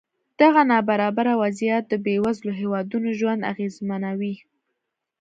دغه نابرابره وضعیت د بېوزلو هېوادونو ژوند اغېزمنوي.